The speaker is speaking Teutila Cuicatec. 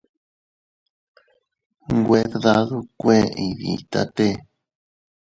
Nwe fdadukue iyditate.